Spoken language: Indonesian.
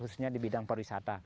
khususnya di bidang pariwisata